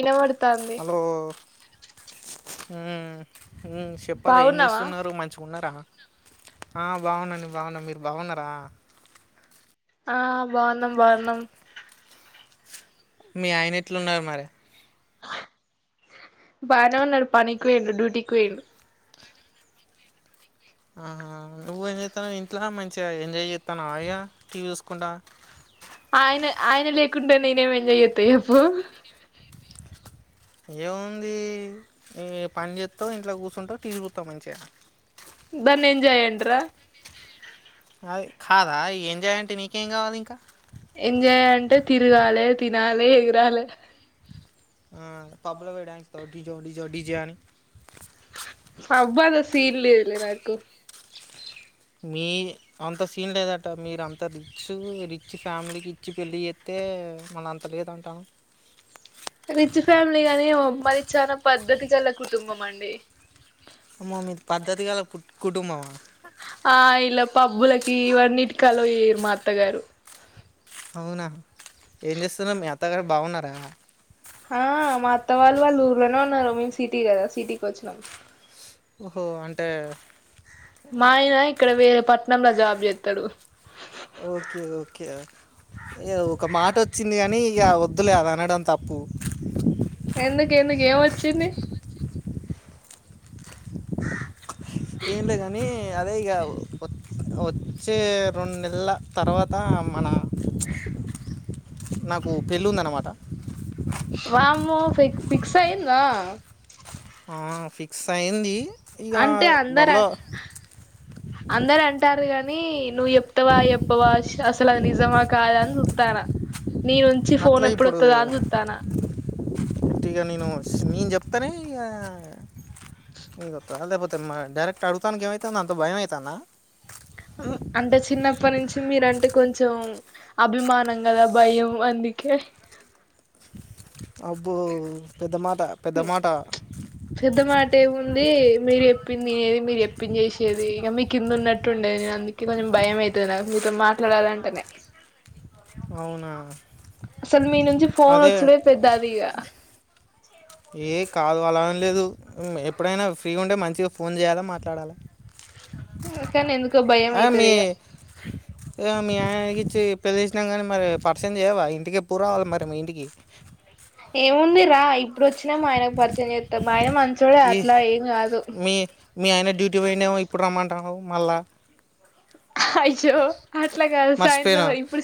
ఇనబడుతాంది hello చెప్పాలే ఏం బాగున్నావా చేస్తున్నరు మంచిగా ఉన్నరా. ఆ బాగున్నాఅండి బాగున్నా. మీరు బాగున్నరా? ఆ బావున్నం బావున్నం మీ ఆయన ఏట్లున్నరు మరి. బానే ఉన్నడు పనికి పోయిండు డ్యూటీకి వోయిండు. ఆహా నువ్వు ఏం చేత్తన్నవు ఇంట్లా మంచిగా ఎంజాయ్ చేత్తనవా ఇగా టీవీ చూసుకుంటా. ఆయన ఆయన లేకుంటే నేనేం ఎంజాయ్ చేత్తా చెప్పు. ఏముంది ఈ పని చేస్తవు ఇంట్ల కూసుంటవు టీవీ చూస్తవు మంచిగా. దాన్ని ఎంజాయ్ అంటరా. అది కాదా ఏంజాయ్ అంటే నీకేం కావాలి ఇంకా. ఎంజాయ్ అంటే తిరగాలే, తినాలే ఎగురాలే ఆ పబ్ల పోయి డ్యాన్స్ చేస్తవా డిజో డి జే డి జే అని. పబ్బా అంత సీన్ లేదులే నాకు. మీ అంత సీన్ లేదట. మీరు అంత రిచ్ రిచ్ ఫ్యామిలీకి ఇచ్చి పెళ్ళి చేస్తే అయితే మరి అంత లేదు అంటానవు. అ రిచ్ ఫ్యామిలీ గాని మాది చానా పద్ధతి గల్ల కుటుంబం అండి. అమ్మో మీది పద్ధతి గల కు కుటుంబమా. ఆ ఇలా పబ్బులకి ఇవన్నిటికి అలో చెయ్యరు మా అత్తగారు. అవునా ఏం చేస్తున్నరు మీ అత్తగారు బాగున్నరా. ఆ మా అత్త వాళ్ళు వాళ్ళు ఊర్లనే ఉన్నరు, మేం సిటీ కదా సిటీకి వచ్చినం. ఓహో అంటే మా ఆయన ఇక్కడ వేరే పట్నంల జాబ్ చేస్తడు. ఓకే ఓకే యా ఇగ ఒక మాట వచ్చింది కానీ ఇగ వద్దులే అది అనడం తప్పు. ఎందుకు ఎందుకు ఎం వచ్చింది. ఏంలేదు కాని అదేఇగా వచ్చే రెండు నెలల తర్వాత మన నాకు పెళ్ళుందన్నమాట. వామ్మో ఫి ఫిక్స్ అయిందా. ఆ ఫిక్స్ అయ్యింది. అంటే అందరు అందరు అంటారు కాని, నువ్వు చెప్తావా చెప్పవా అసలు నిజమా కాదా అని చూత్తాన్న. నీ నుంచి ఫోన్ ఎప్పుడొత్తదా అని చూత్తాన్నా. అంటే ఇగా నేను నేను చెప్తనే ఇగా ఇ గొత్త లేకపోతే డైరక్ట్ అడుగుతానికి పం అవుతాన అంత భయం అయితానా అంటే చిన్నప్పటి నుంచి మీరంటే కొంచెం అభిమానం కదా భయం అందుకే అబ్బో పెద్దమాట పెద్ద మాట పెద్ద మాట మీరు చెప్పింది ఏ మీది మీరు చెప్పింది చేసేది ఇంక మీ కింద ఉన్నట్టు ఉండేది నేను అందుక కొంచెం భయం అయితే నాకు మీతో మాట్లాడాలి అంటేనే అవునా అసలు మీ నుంచి ఫోన్ అదే వచ్చుడె పెద్దది ఇక ఏ కాదు అలా అని లేదు ఎప్పుడైనా ఫ్రీ ఉంటే మంచిగ ఫోన్ చేయాలె మాట్లాడాలి కానీ ఎందుకు అ మీ ఇగ మీ ఇ ఇచ్చి పెళ్ళి చేసినా గానీ మరి పర్సెం జెవా ఇంటికి పూ రావాలి మరి మీ ఇంటికి ఏముంది రా ఇ ఇప్పుడు వచ్చినా ఆయనక్ పరిచయం చేస్తాం మ ఆయన మంచి చోడే ఈ అట్లా ఏం కాదు ఎప్పుడ్ రమ్మంటార్ మళ్ళ అయ్యో అట్లగాదు సాయంత్రం మర్చిపోయినా ఇప్పుడు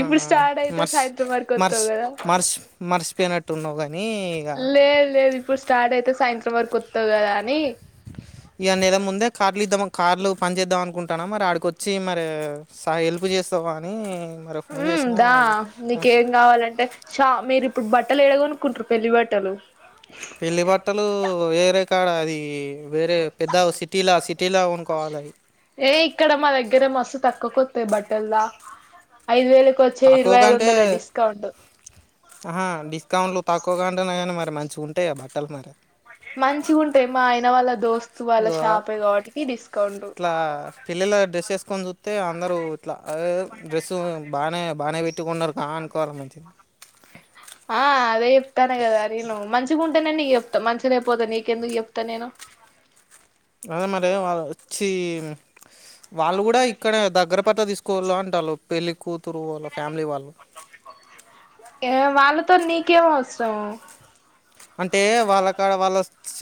ఇప్పుడు స్టార్ట్ అయితే మర్చి సాయంత్రం వరకి మర్చి వస్తావు మర్చి మర్చిపోయినట్టున్నావు కానీ ఇక లే లేదు ఇప్పుడు స్టార్ట్ అయితే సన్ కస్టమర్ కొత్త ద్ కదా అని ఇగ నెన్ ముందే కార్లు ఇద్దా కార్లు పని చేేద్దాం అనుకుంటాన్నా మార్ ఆడికొచ్చ వచ్చి మరి సా హెల్ప్ చేస్తావు కాని ఉమ్ దా నీకేం కావాలంటే షా మీరు ఇప్పుడు బట్టలు ఏడ గొనుకుంటారు పెళ్లి బట్టలు పెళ్లి బట్టలు వేరె కాడా అది. వేరే పెద్ద సిటీలా సిటీల కోన్ కోవాలే. కొకొత్తయి బట్టల్లా ఐదు వేలు. తక్కువ గంటే డిస్కౌంట్లు తక్కువ గంటేన్నాని. మంచిగా ఉంటాయ బట్టలు మరి. మంచిగ ఉంటాయి మా ఆయన వాళ్ళ దోస్తు వాళ్ళ ఇక షాపే కాబట్టికి డిస్కౌంట్. ఇట్లా పిల్లల డ్రెస్ ఎసుకొని చూస్తే అందరు ఇట్ల డ్రెస్ బానే బానే పెట్టుకున్నారు అహ అనుకోవాలి మంచిది. ఆ అదే చెప్తాన్న కదా నేను మంచిగా ఉంటేనే నీకు చెప్తా మంచిగా లేకపోతే నీకెందుకు చెప్తా నేను. [inaudible] అదే మరి వాళ్ వచ్చి వాళ్ళు కూడ ఇక్కడ దగ్గర పట్ల తీసుకోళు అంటాన్లు. పేళ్లి కుత ఏ వాళ్లతోన్ నీకేం అవస్ దా అంటే వాళ్ళ కాడ వాళ్ళ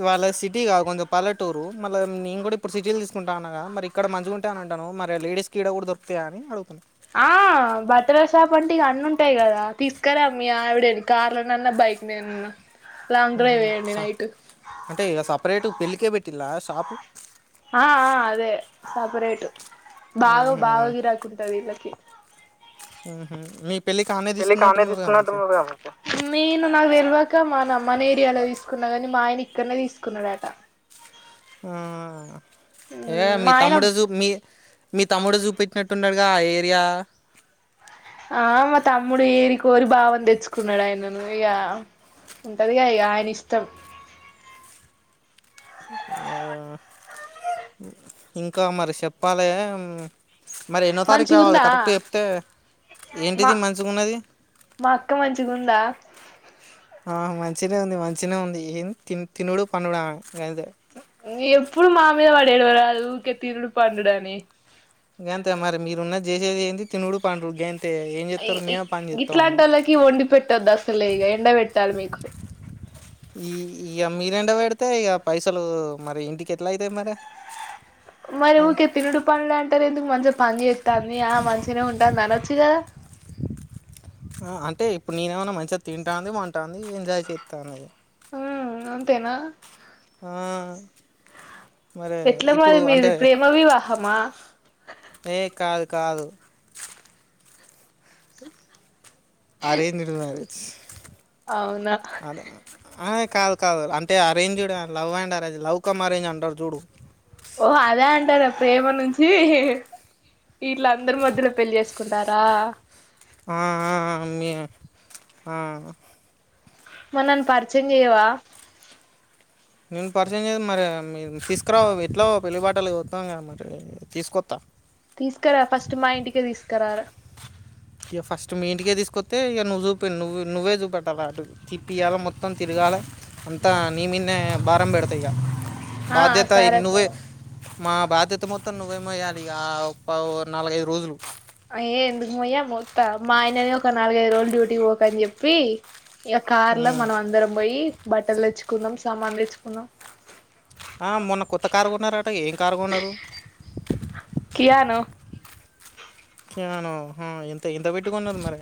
వాళ్ళ సిటీ కాదు. పల్లెటూరు మళ్ళ నేన్ కూడ ఇప్పుడు సిటిలు తీసుకుంటా అన్నగా మరి ఇక్కడ మంచి గుంటయి అంటన్నావు మరి లేడస్ కి ఈ కూడా దొరికు ఇగ అని ఆ బట్టల షాప్ అంటే ఇగా అన్నీ ఉంటాయి కదా తీస్క్రా మీ ఆవిడేని కార్లనన్న బైక్ మీద నన్నా. అంటే ఇక సప్రేటు పెళ్ళికే పెట్టిలా షాపు. అ ఆ అదే సపరేట్. బాగ మ్హూ. బాగ గిరాకి ఉంటది వీళ్ళకి మీక్ పెళ్లికీ ఆమె తీసుకున్నట్టు ఉన్నారు కదా నేను నాకు తెలవకా మన ఏరియాలో తీసుకున్నా కానీ మా ఆయన ఇక్కనే తీసుకున్నాడట. ఆ ఏ మీ మా ఆయన తమ్ముడే జుప్మీ మీ తమ్ముడు చూపెట్టినట్టున్నాడుగా ఆ ఏరియా ఆ మ తమ్ముడి కోరి బావని తెచ్చుకున్నాడు ఆయన ఇగా ఉంటదిక ఇగా ఆయన ఇష్టం. [inaudible] ఇంకా మరి చెప్పలేమ్ మరి ఎన్నో తారీఖు రావాలి మంచిగుందా కరెక్ట్ చెప్తే. మా ఏంటిది మంచిగా ఉన్నది. మా అక్క మంచిగుందా ఆ మంచినే ఉంది మంచినే ఉంది ఏం తి తినుడు పన్నుడా గంతే ఎప్పుడు మామిద పడి ఎడువారదు ఊకె తినుడు పండుడు అని గంతే మరి మీరున్నది చేసేది ఏంది తినుడు పండుడు. గం ఐ ఈ గీట్లాంటి ఓళ్ళకి వండి పెట్టొద్ అసలే ఇక ఎండ పెట్టాలి మీకు. ఈ ఇక మీరు ఎండ పెడితే ఇక పైసలు మరి ఇంటికి ఎట్లా అయితాయి మరి. మరి ఊకె తినుడు పండుడు అంటరూ ఎందుకు మంచి పని చేతంది ఆ మంచినే ఉంటాంది అనోచ్చు కదా. ఆ అంటే ఇప్పుడు నేను ఏమన్నా మంచిగా తింటాంది పంటంది ఎంజాయ్ చేస్తాంది. ఉ అంతేనా ఆ మరి ఎట్లా ఇప్పుడు మరి అంటే మీది ప్రేమ వివాహమా ఏ కాదు కాదు. అరేంజ్డ్ మ్యారేజ్ అవునా ఆల్లే ఆయ్ కాదు కాదు అంటే arranged love and arrange love cum arrange అంటారు చూడు. ఓ అదే అంటార ప్రేమ నుంచి ఇట్ల అందరి మధ్యల పెళ్లి చేసుకుంటారా ఆ ఆ ఆ మీ ఆ మరి నన్ పరిచయం చెయ్యవా. నేను పరిచయం చే మరి తీసుకురా ఎట్లా పెళ్లిబట్ టలు ఓత్తాం కద మరి తీసుకొస్తా తీసుకురా ఫస్ట్ మా ఇంటికి తీసుకురార ఇక ఫస్ట్ మీ ఇంటికే తీసుకొతే ఇక నువ్వు చూపడి నువ్వు నువ్వే చూప అలా అటు తిప్పియాల మొత్తం తిరగాలి అంతా నీ మీద నే భారం పెడతా ఇగ ఆ బాధ్యత ఈ సరే నువ్వే సరే మా బాధ్యత మొత్తం నువ్వే మొయ్యాలి ఇగ అవు పా ఒత్ నాలుగైదు రోజులు అయ్యే ఎందుకుమోయ మొత్త మా ఆయననే ఒక నాలుగైదు రోజులు డ్యూటీకి పోకని చెప్పి ఇక కార్ లో ఉమ్. మనం అందరం పోయి బట్టలు తెచ్చుకుందాం సామాన్లు తెచ్చుకుందాం ఆ మొన్న కొత్త కారుగొన్నారట ఏం కారుగొన్నారు కియాను క్యాను హు ఎంత ఎంత పెట్టుకున్నారు మరి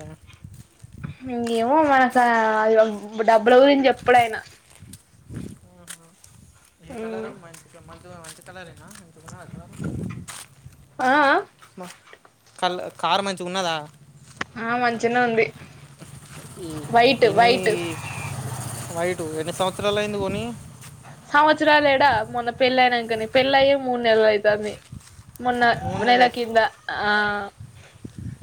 ఏమో మనకు కాడ డబ్బులు గురించి చెప్పుడు ఆయనా ఏ కలరు మంచి మంచి మంచి కలర్ ఏనా ఇ కలర్ ఆ మా కళ కారు మంచిగా ఉన్నదా చిన్న ఉంది ఈ వైట్ ఎన్ని వైట్ వైటు ఎన్ని సంవత్సరాలు అయింది కొనీ సంవత్సరలు ఎడా మొన్న పెళ్ళి అయినాకనే పెళ్లి అయ్యే మూడు నెలలు అయితంది మొన్న మూడు నెలలు నెల అయితే కింద ఆ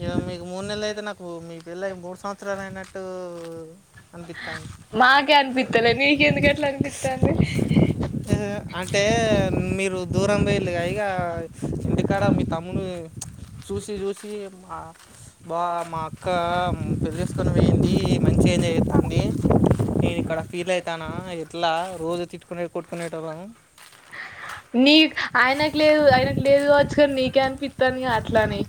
ఇక మీకు మూడు నెలలు అయితే నాకు మీ పెళ్లి అయి మూడు సంవత్సరాలు అయినట్టు అనిపిస్తుంది మాకే అనిపిత్తలే మీకు ఎందుకు అంటే మీరు దూరం పేలుగా ఇక ఇంటి కాడ మీ తమ్మువి చూసి చూసి ఆ బా మా అక్క పెళి తీసుకొని పోయింది మంచిగా ఎంజాయ్ చేతాంది నేను ఇక్కడ ఫీల్ అయితానా ఎట్లా రోజు తిట్టుకునే కొట్కునేటోళ్ళం నీ ఆయనకు లేదు ఆయనకు లేదు కావచ్చు కాని నీకే అనిపి తని ఆట్లానే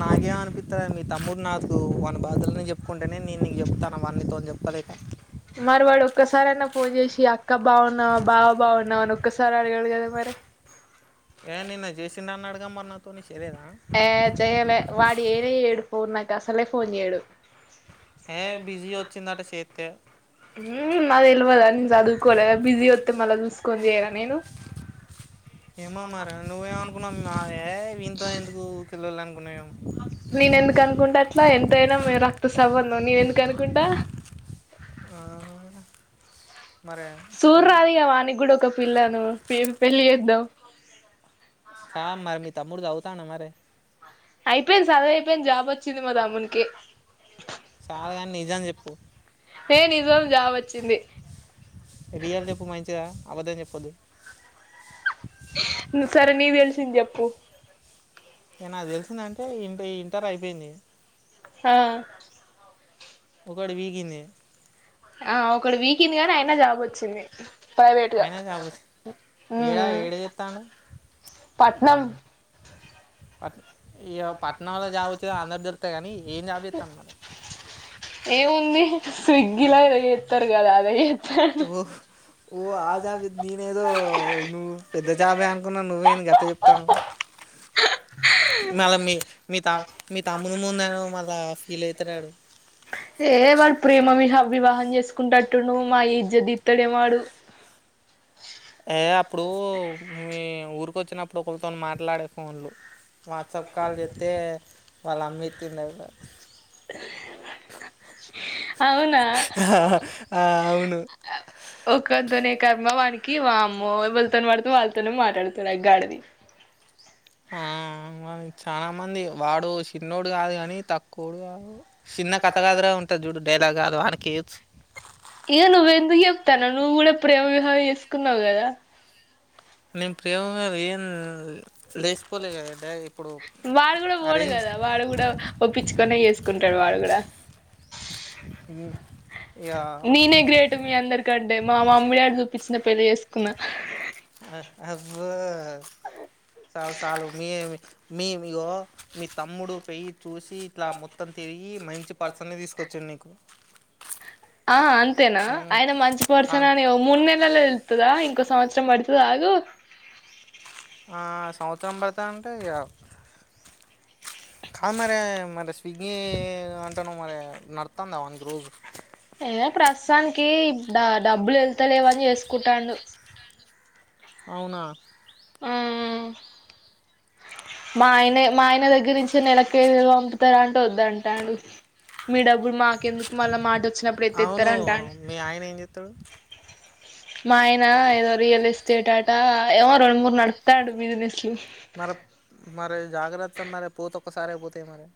నాకు ఏం అనిపిత్తలేను మీ తమ్ముడు నాకు వాని బాధలని చెప్పుకుంటేనే నేను నీకు చెప్తానా వాడు నీతో చెప్పలేక మరి వాడు ఒక్కసారి అయినా ఫోన్ చేసి అక్క బాగున్నావా బావ బాగున్నావా అని ఒక్కసారియినా అదే [unintelligible] మరి ఏ నిన్న చేసిండు అన్నాడుగా మరి నాతోని ఆ చెయ్యాలే వాడు ఏడే ఎడుపు నాకు అసలే ఫోన్ చెయ్యడు ఏ బిజీ వచ్చిందట చేత్తె మ్మ్ నాకు తెల్వదా ఇంకా కొన్ని చెయ్యాన నేను ఏమో మారి నువ్వేమనుకున్నావొ మా ఏ వినితో ఎందుకు ఉరికే లొల్లి అనుకున్నావేమో నేనెందుకు అనుకుంటా అట్లా ఎంతైనా మిము రక్తసంబంధం నినెందుకు అనుకుంటా ఆహ సూర్రదా ఇగ వానికి ఒక పిల్లని బిరిన పెళ్లి చేద్దాం కా మరి మీ తమ్ముడు చదువుతాండ మరి అయిపోయింది సదువు అయిపోయింది జాబ్ వచ్చింది మా తమ్ముడికి చాల కాని నిజం చెప్పు ఏయ్ నిజం జాబ్ వచ్చింది అపద్దం చెప్పద్దు సరే నీకు తెల్సింది చెప్పు ఇక నాకు తెలిసిందంటే ఇంట ఇంటర్ అయిపోయింది ఆ ఒకటి పీకింది ఆ ఒకటి పీకింది కాని అయినా జాబ్ వచ్చింది ప్రైవేట్ గా అయినా జాబ్ వచ్చి ఏడా ఏడ చేస్తాడు పట్నం అట్న్ ఇగ పట్నంలో జాబ్ వచ్చిందని అందరికీ తెలుత్తాది కానీ ఏం జాబ్ చేత్తాన్నడు మరి ఏముంది స్విగ్గీలో ఇదో చేస్తారు కదా అది ఓహ్ ఓ ఆ జాబే చేత్తన్నడ నేనేదో నువ్వు పెద్ద జాబే అనుకున్నా నువ్వేంది గట్ల చెప్తాండవు మళ్ళా మీ మీ తా మీ తమ్ముడు ముందు అనేవు మళ్ళా ఫీల్ అవుతాడు వాడు ఏహే వాడు ప్రేమ విహ వివాహం చేసు చేసుకుండేటట్టు ఉండు మా ఇజ్జాద్ తిత్తాడేమో వాడు ఏ అప్పుడు మీ ఊరికొచ్చినప్పుడు ఒకరితో మాట్లాడే ఫోన్లో వాట్సాప్ కాల్ చేత్తే వాళ్ళ అమ్మ ఎత్తిందాంట అవునా ఆ హా అవును ఒకనితొనే కర్మా వానికి కి అమ్మో ఏవాళ్ళతోని బాడితే వాళ్ళతోను మాట్లాడుతాడు ఆ గాడిది ఆ మ చాలా మంది వాడు చిన్నోడు కాదు కాని తక్కువోడు కాదు చిన్న కథ కాదుర ఉంటాది చూడు డైలాగ్ కాదు వానకి ఏయోచ్చు ఇక నువ్వెందుకు చెప్తాండవు నువ్వు కూడా ప్రేమ వివాహం చేసుకున్నావు కదా నేను ప్రేమ కాదు ఏంద్ వాడు కూడా పోడు అరేంజ్ కదా వాడు కూడా ఒప్పించుకునే చేసుకుంటాడు వాడు కూడా పుల్లు నేనే గ్రేట్ మీ అందరికంటే మా మమ్మీ వాళ్ళు చూపించిన పెళ్లి చేసుకున్నా అవ్వ చాలు చాలు మీ మీ మియో మీ తమ్ముడు పెళ్లి చూసి ఇట్లా మొత్తం తిరిగి మంచి పర్సన్ నే తీసుకొచ్చిండు నీకు ఆ అంతేనా ఆయన మంచి పర్సన్ అని మూడు నెలల్లో తెళ్తుదా ఇంకో సంవత్సరం పడు అగు అవతరం బడతా అంటే ఇగ కాద్ మరే మరి స్విగ్గీ అంటనవ్ మరి నడుత్తాందా వానికి రోజు? యే ప్రస్తుతానికి డా డబ్బులెళ్తలేవని చేసుకుంటాండు అవునా ఆ ఆ మా ఆయనే మా ఆయన దగ్గర నుంచి నెలకేడు వేలు పంపుతరా అంటే వద్ధంటాండు మీ డబ్బులు మాకెందుకు మళ్ళ మాటోచ్చినప్పుడు అవును ఎత్తెత్తరంటాండు. మీ ఆయన ఏం చేస్తాడు మాయనా ఏదో రియల్ ఎస్టేట్ ఆట ఏమో రొండు మూడు నడుపుతాండు బిజినెస్లు మరె మరి జాగ్రత్త మరే పోతొక్కసారే పోతయి మరె.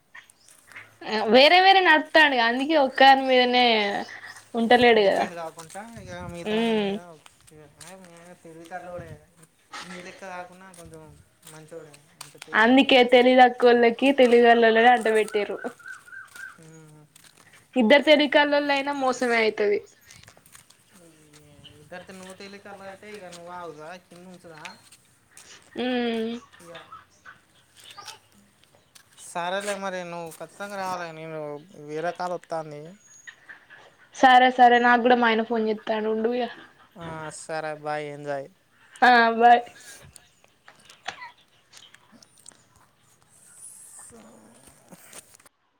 ఏ వేరే వేరే నడుప్తాండుగా అందుకే ఒక్కదాని మీదనే ఉంటలేడు కదా డిపెండ్ గాకుంటా ఇగా మిగతా దాన్మీద ఉమ్ [unintelligible] తెలివి కల్లోడే నీలెక్క గాకున్నా కొంచెం మంచోడే అందుకే తెలివి తక్కువోళ్లకి తెలివిగల్లోళ్ళనే అంట బెట్టిర్రు ఉమ్. ఇద్దరు తెలివికల్లోళ్ళయినా మోసమే అయితది. నీ ఇద్దర్ తె నువ్ తెలివి కల్లయితే ఇగ నువ్ ఆగుదువా కింద వుంచుదా ఉమ్ ఇగ సరేలే మరి నువ్వు ఖచ్చితంగా రావాలే, నేను వేరే కాల్ ఒత్తాంది సరే సరే నాగ్గుడ మా ఆయన ఫోన్ జెత్తాండు ఉండు ఇగ ఆ సరే బాయ్ ఏంజాయ్ ఆ బాయ్ సా